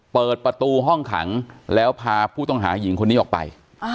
เปิดประตูห้องขังแล้วพาผู้ต้องหาหญิงคนนี้ออกไป